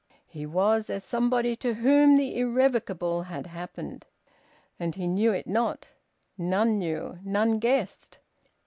He was as somebody to whom the irrevocable had happened. And he knew it not. None knew. None guessed.